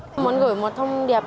mình muốn gửi một thông điệp